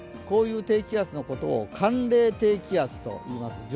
こういう低気圧のことを寒冷低気圧といいます。